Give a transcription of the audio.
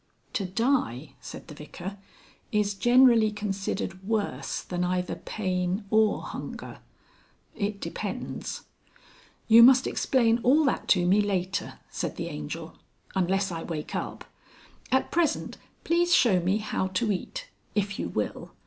"To Die," said the Vicar, "is generally considered worse than either pain or hunger.... It depends." "You must explain all that to me later," said the Angel. "Unless I wake up. At present, please show me how to eat. If you will.